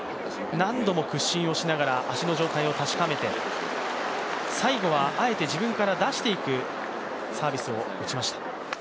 何度も屈伸しながら、足の状態を確かめて、最後はあえて自分から出していくサービスを打ちました。